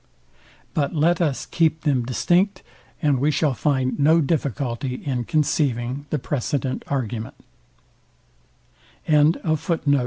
But let us keep them distinct, and we shall find no difficulty in conceiving the precedent argument.